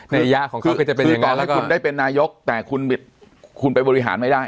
ในยาของเขาคือจะเป็นอย่างนั้นคือต้องให้คุณเป็นนายกแต่คุณไปบริหารไม่ได้